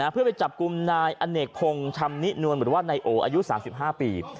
เพื่อไปจับกลุ่มนายอเนกพงศ์ชำนินวลหรือว่านายโออายุ๓๕ปี